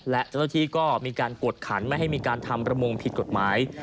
และเจ้าหน้าที่ก็มีการกวดขันไม่ให้มีการทำประมงผิดกฎหมาย